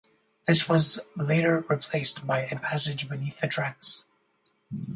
This was later replaced by a passage beneath the tracks.